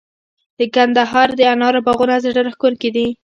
د کندهار د انارو باغونه زړه راښکونکي دي.